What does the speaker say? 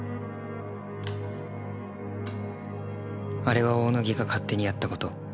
あれは大野木が勝手にやった事。